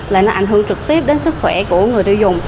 là nó ảnh hưởng trực tiếp đến sức khỏe của người tiêu dùng